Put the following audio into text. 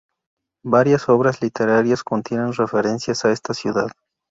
Varias obras literarias contienen referencias a esta ciudad.